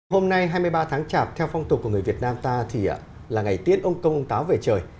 hôm nay hai mươi ba tháng chạp theo phong tục của người việt nam ta thì là ngày tiễn ông công ông táo về trời